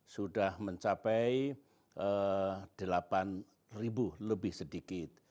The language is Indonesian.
sudah mencapai delapan ribu lebih sedikit